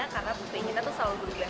karena kita tuh selalu berubah ubah